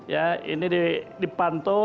ya ini dipantau